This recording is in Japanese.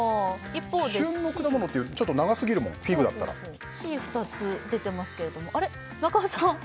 「旬の果物」ってちょっと長すぎるもんフィグだったらＣ２つ出てますけれどもあれっ中尾さん